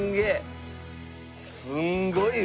すんごいよ